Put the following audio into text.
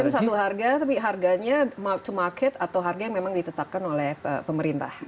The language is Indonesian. itu satu harga tapi harganya to market atau harga yang memang ditetapkan oleh pemerintah